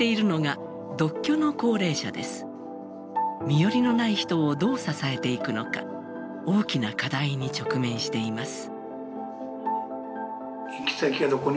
身寄りのない人をどう支えていくのか大きな課題に直面しています。